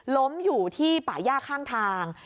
ล้มอยู่ที่ป่าย่าข้างทาง